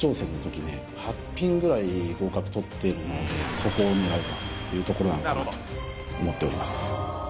そこを狙うというところなのかなと思っております